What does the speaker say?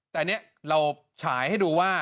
แต่นี่เราฉายให้ดูว่า